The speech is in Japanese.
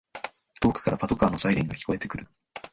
遠くからパトカーのサイレンが聞こえてくる